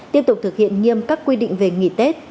tiếp tục thực hiện nghiêm các quy định về nghỉ tết